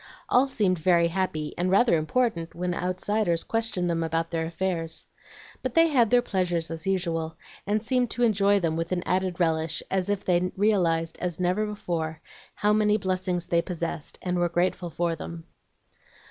All seemed very happy, and rather important when outsiders questioned them about their affairs. But they had their pleasures as usual, and seemed to enjoy them with an added relish, as if they realized as never before how many blessings they possessed, and were grateful for them.